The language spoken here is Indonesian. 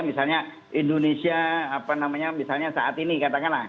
misalnya indonesia apa namanya misalnya saat ini katakanlah